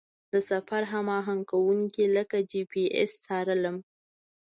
د سفر هماهنګ کوونکي لکه جي پي اس څارلم.